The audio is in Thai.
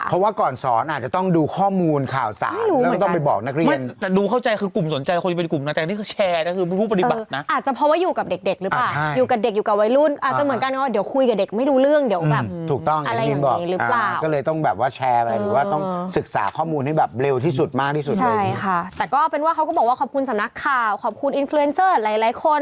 เพราะว่าก่อนสอนอาจจะต้องดูข้อมูลข่าวศาล